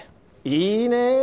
いいね